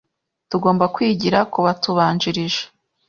Tugomba kwigira kubatubanjirije.